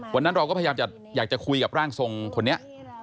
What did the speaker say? วันนั้นเราก็พยายามจะอยากจะคุยกับร่างทรงคนนี้